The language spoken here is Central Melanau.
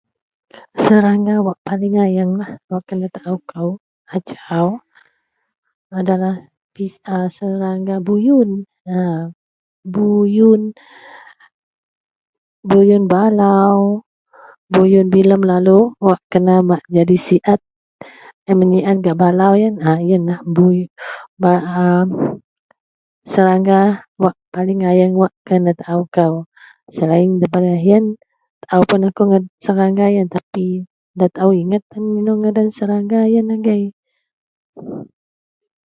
Serangga wak paling ayeng lah wak kenatao kou ajau adalah [pis] serangga buyun a. Buyun buyun balau, buyun bilem lalu wak kena bak nyadi siet. En menyiet gak balau yen . A yen lah bu ba a serangga wak paling ayeng wak kenatao kou selain daripada yen taaopuun akou serangga yen tapi nda taao inget tan inou ngadan serangga yen agei.